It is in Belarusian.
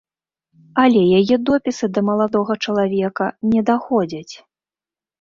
Але яе допісы да маладога чалавека не даходзяць.